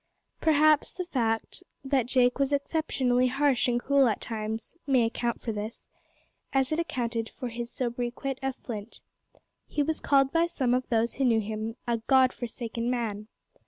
Perhaps the fact that Jake was exceptionally harsh and cruel at all times, may account for this, as it accounted for his sobriquet of Flint. He was called by some of those who knew him a "God forsaken man."